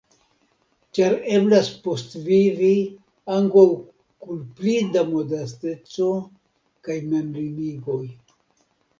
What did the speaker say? Ĉar eblas postvivi ankaŭ kun pli da modesteco kaj memlimigoj.